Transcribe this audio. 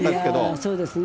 そうですね。